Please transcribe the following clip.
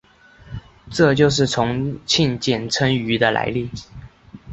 这就是重庆简称渝的来历。